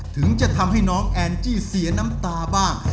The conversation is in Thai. ถึงจะทำให้น้องแอนจี้เสียน้ำตาบ้าง